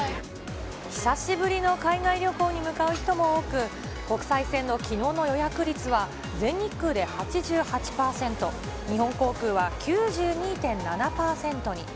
久しぶりの海外旅行に向かう人も多く、国際線のきのうの予約率は全日空で８８％、日本航空は９２．７％に。